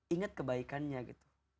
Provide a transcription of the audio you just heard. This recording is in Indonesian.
ingat kebaikannya gitu